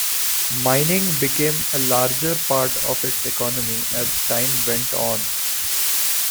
Mining became a larger part of its economy as time went on.